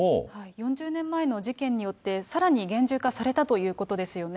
４０年前の事件によって、さらに厳重化されたということですよね。